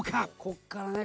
ここからね